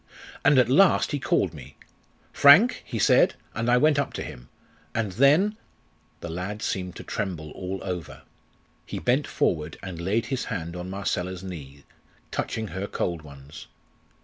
And at last he called me. 'Frank!' he said; and I went up to him. And then " The lad seemed to tremble all over. He bent forward and laid his hand on Marcella's knee, touching her cold ones.